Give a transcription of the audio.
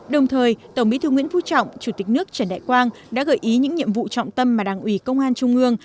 đồng thời tổng bí thư nguyễn phú trọng chủ tịch nước trần đại quang đã gợi ý những nhiệm vụ trọng tâm mà đảng ủy công an trung ương